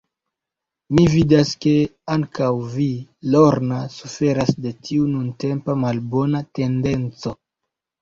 Mi vidas, ke ankaŭ vi, Lorna, suferas de tiu nuntempa, malbona tendenco.